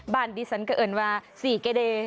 บ้านดิฉันเกิดเอิญว่าสี่เกเด